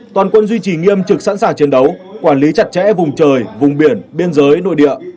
toàn quân duy trì nghiêm trực sẵn sàng chiến đấu quản lý chặt chẽ vùng trời vùng biển biên giới nội địa